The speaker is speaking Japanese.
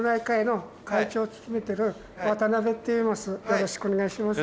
よろしくお願いします。